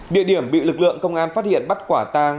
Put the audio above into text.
địa điểm bị lực lượng công an phát hiện bắt quả tang